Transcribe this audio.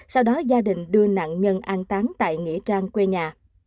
sau đó gia đình đưa nạn nhân an tán tại nghĩa trang quê nhà